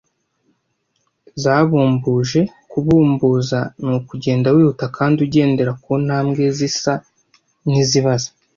Zabumbuje: Kubumbuza ni ukugenda wihuta kandi ugendera ku ntambwe zisa n’izibaze.